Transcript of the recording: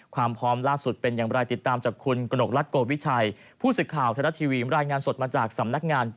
ความพร้อมล่าสุดเป็นอย่างไรติดตามจากคุณกลักโกวิชัยผู้สิทธิ์ข่าวธนาทีวีรายงานสดมาจากสำนักงานกสตช